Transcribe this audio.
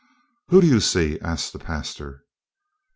"Who do you see?" asked the pastor.